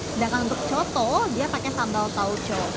sedangkan untuk coto dia pakai sambal tauco